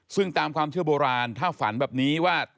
ซึ่งตามความเชื่อโบราณถ้าฝันแบบนี้ว่า